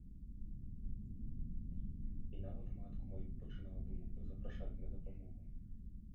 І нават матку маю пачынаў быў запрашаць на дапамогу.